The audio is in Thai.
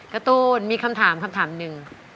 การ์ตูนมีคำถามคำถามหนึ่ง